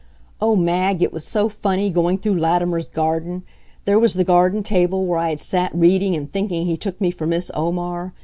Oh, Mag, it was so funny, going through Latimer's garden! There was the garden table where I had sat reading and thinking he took me for Miss Omar.